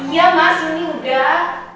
iya mas ini udah